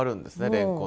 レンコンに。